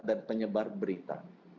dan penyebar berita